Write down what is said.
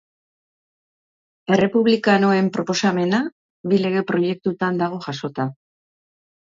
Errepublikanoen proposamena bi lege proiektutan dago jasota.